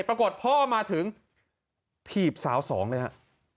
ปรากฏพ่อมาถึงถีบสาวสองเลยฮะ